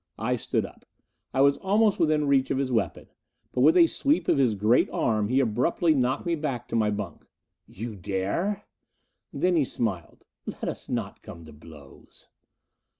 I stood up; I was almost within reach of his weapon, but with a sweep of his great arm he abruptly knocked me back to my bunk. "You dare?" Then he smiled. "Let us not come to blows!"